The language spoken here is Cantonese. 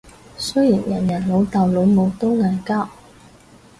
雖然人人老豆老母都嗌交